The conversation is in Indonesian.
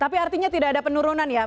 tapi artinya tidak ada penurunan ya